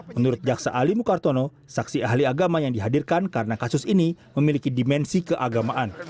menurut jaksa ali mukartono saksi ahli agama yang dihadirkan karena kasus ini memiliki dimensi keagamaan